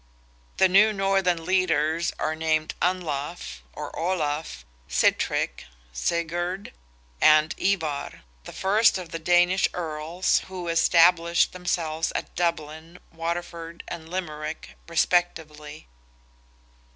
The new Northern leaders are named Anlaf, or Olaf, Sitrick (Sigurd?) and Ivar; the first of the Danish Earls, who established themselves at Dublin, Waterford and Limerick respectively.